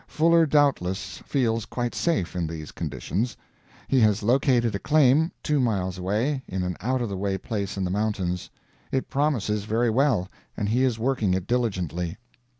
Fuller doubtless feels quite safe in these conditions. He has located a claim, two miles away, in an out of the way place in the mountains; it promises very well, and he is working it diligently.